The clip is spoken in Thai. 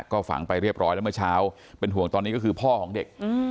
ก็ฝังไปเรียบร้อยแล้วเมื่อเช้าเป็นห่วงตอนนี้ก็คือพ่อของเด็ก